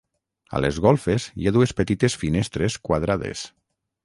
A les golfes hi ha dues petites finestres quadrades.